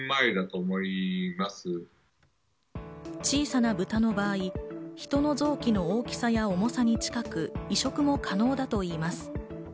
小さなブタの場合、人の臓器の大きさや重さに近く、移植も可能だといいます。